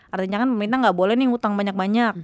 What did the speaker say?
artinya kan pemerintah nggak boleh nih ngutang banyak banyak